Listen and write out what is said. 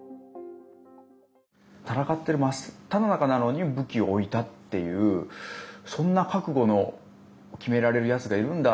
戦ってる真っただ中なのに武器を置いたっていうそんな覚悟の決められるやつがいるんだ。